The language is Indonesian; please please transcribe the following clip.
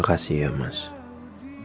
kita akan segera berjalan ke rumah ini